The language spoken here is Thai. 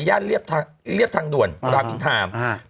ราช่ายเลียบทางเลียบทางด่วนอ๋อแม่พี่ทอร์มฮะ